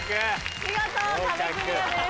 見事壁クリアです。